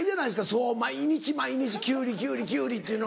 そう毎日毎日キュウリキュウリキュウリっていうのは。